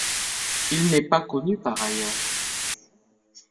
Il n'est pas connu par ailleurs.